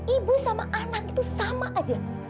ibu sama anak itu sama aja